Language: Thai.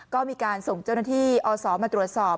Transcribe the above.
ก็มีการส่งเจ้าหน้าที่อศมาตรวจสอบ